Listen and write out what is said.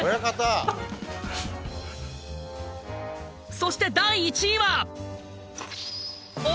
そして第１位は。